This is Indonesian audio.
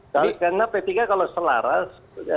karena p tiga kalau selaras